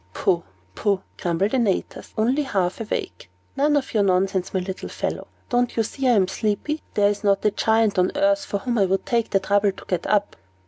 "Poh, poh!" grumbled Antaeus, only half awake. "None of your nonsense, my little fellow! Don't you see I'm sleepy? There is not a Giant on earth for whom I would take the trouble to get up."